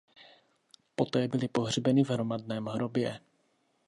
Poté byly pohřbeny v hromadném hrobě.